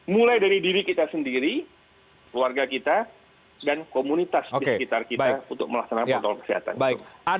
mulai dari diri kita sendiri keluarga kita dan komunitas di sekitar kita untuk melaksanakan protokol kesehatan itu